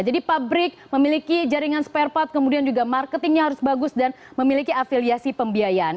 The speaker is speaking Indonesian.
jadi pabrik memiliki jaringan spare part kemudian juga marketingnya harus bagus dan memiliki afiliasi pembiayaan